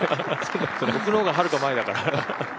僕の方が、はるか前だから。